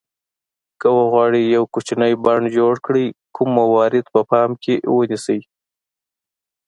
که وغواړئ یو کوچنی بڼ جوړ کړئ کوم موارد په پام کې ونیسئ.